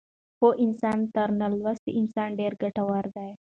پوه انسان تر نالوستي انسان ډېر ګټور دی.